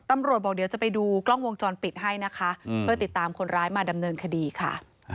บอกเดี๋ยวจะไปดูกล้องวงจรปิดให้นะคะเพื่อติดตามคนร้ายมาดำเนินคดีค่ะ